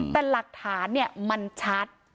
แต่หลักฐานเนี่ยมันชัด